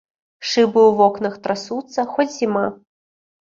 Шыбы ў вокнах трасуцца, хоць зіма.